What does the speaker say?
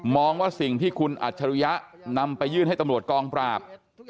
ว่าสิ่งที่คุณอัจฉริยะนำไปยื่นให้ตำรวจกองปราบ